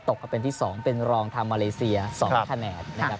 ก็เป็นที่๒เป็นรองทำมาเลเซีย๒คะแนนนะครับ